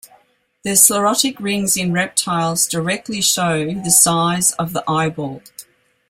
The sclerotic rings in reptiles directly show the size of the eyeball.